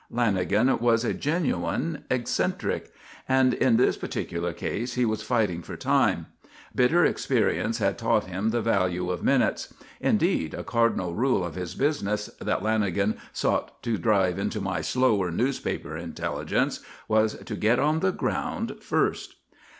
Lanagan was a genuine eccentric. And in this particular case he was fighting for time. Bitter experience had taught him the value of minutes. Indeed, a cardinal rule of his business that Lanagan sought to drive into my slower newspaper intelligence was to get on the ground first.